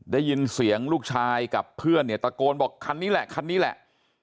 ได้ยินเสียงลูกชายกับเพื่อนเนี่ยตะโกนบอกคันนี้แหละคันนี้แหละ